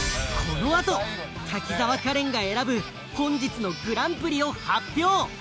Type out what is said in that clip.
滝沢カレンが選ぶ本日のグランプリを発表！！